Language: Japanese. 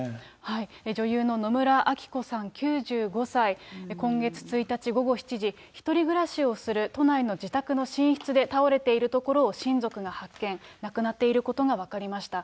女優の野村昭子さん９５歳、今月１日午後７時、１人暮らしをする都内の自宅の寝室で倒れているところを親族が発見、亡くなっていることが分かりました。